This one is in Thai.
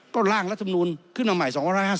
ก็ร่างลำนุนขึ้นใหม่๒๑๕๐